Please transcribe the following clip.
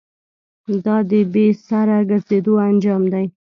دا د بې سره گرځېدو انجام دی.